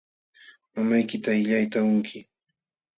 Mamaykita qillayta qunki.